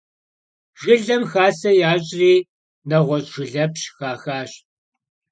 Жылэм хасэ ящӀри нэгъуэщӀ жылэпщ хахащ.